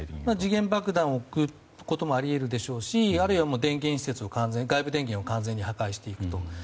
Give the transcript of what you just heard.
時限爆弾を置くこともあり得るでしょうし外部電源を完全に破壊していくと。